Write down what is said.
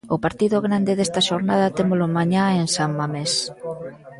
O partido grande desta xornada témolo mañá en San Mamés.